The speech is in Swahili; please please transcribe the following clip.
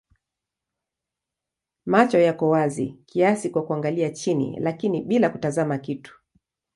Macho yako wazi kiasi kwa kuangalia chini lakini bila kutazama kitu.